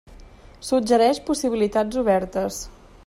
Suggereix possibilitats obertes.